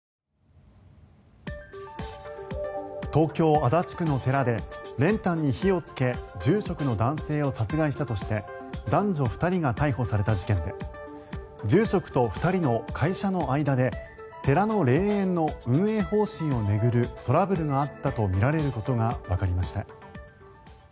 東京・足立区の寺で練炭に火をつけ住職の男性を殺害したとして男女２人が逮捕された事件で住職と、２人の会社の間で寺の霊園の運営方針を巡るトラブルがあったとみられることがわかりました。